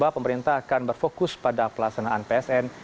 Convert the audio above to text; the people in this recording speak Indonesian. pemerintah akan berfokus pada pelaksanaan psn